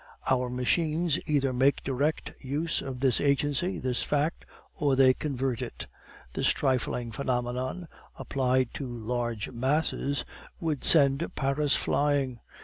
Our machines either make direct use of this agency, this fact, or they convert it. This trifling phenomenon, applied to large masses, would send Paris flying.